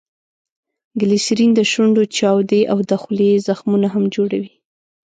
ګلیسرین دشونډو چاودي او دخولې زخمونه هم جوړوي.